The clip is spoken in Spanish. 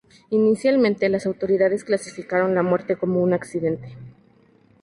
Inicialmente, las autoridades clasificaron la muerte como un accidente.